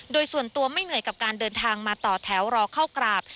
โดยส่วนตัวไม่เหนื่อยกับการเดินทางมาต่อแถวรอเข้ากราบ